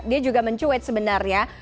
dia juga mencuit sebenarnya